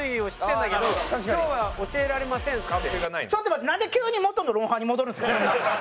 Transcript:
ちょっと待ってなんで急に元の『ロンハー』に戻るんですか？